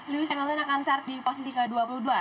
lewis hamilton juara dunia tiga kali dan juga welling